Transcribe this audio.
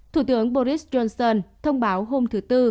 thủ tướng boris johnson thông báo hôm thứ tư